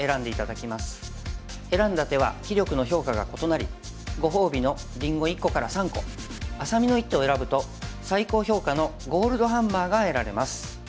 選んだ手は棋力の評価が異なりご褒美のりんご１個から３個愛咲美の一手を選ぶと最高評価のゴールドハンマーが得られます。